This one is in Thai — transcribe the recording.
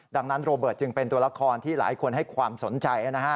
ดังนั้นโรเบิร์ตจึงเป็นตัวละครที่หลายคนให้ความสนใจ